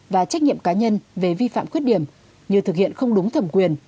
và trách nhiệm cá nhân về vi phạm khuyết điểm như thực hiện không đúng thẩm quyền